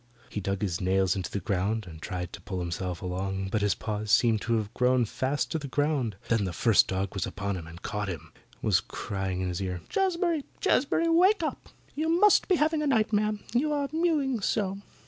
He dug his nails into the ground and tried to pull himself along, but his paws seemed to have grown fast to the ground. Then the first dog was upon him, had caught him was crying in his ear, "Jazbury, Jazbury, wake up. You must be having a nightmare, you are mewing so."